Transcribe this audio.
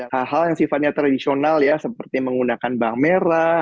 hal hal yang sifatnya tradisional ya seperti menggunakan bahan merah